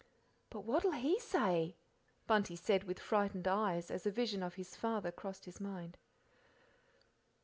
"But what'll he say?" Bunty said with frightened eyes, as a vision of his father crossed his mind.